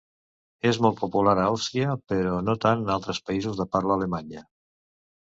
És molt popular a Àustria, però no tant en altres països de parla alemanya.